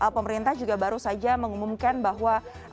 pemerintah juga baru saja mengumumkan bahwa